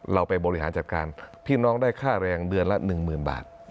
เราไปบริหารจัดการพี่น้องได้ค่าแรงเดือนละ๑๐๐๐บาท